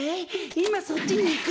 いまそっちにいく！